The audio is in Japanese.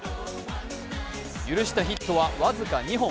許したヒットは僅か２本。